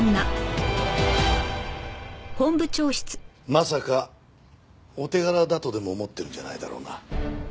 まさかお手柄だとでも思ってるんじゃないだろうな。